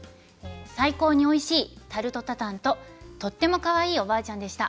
最高においしいタルト・タタンととってもかわいいおばあちゃんでした。